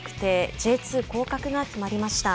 Ｊ２降格が決まりました。